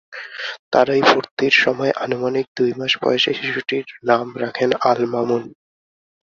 তাঁরাই ভর্তির সময় আনুমানিক দুই মাস বয়সী শিশুটির নাম রাখেন আল-মামুন।